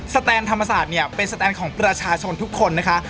แตนธรรมศาสตร์เนี่ยเป็นสแตนของประชาชนทุกคนนะคะ